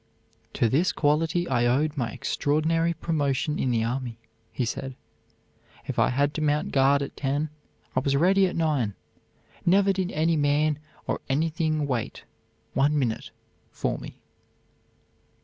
"To this quality I owed my extraordinary promotion in the army," said he. "If I had to mount guard at ten, I was ready at nine; never did any man or anything wait one minute for me."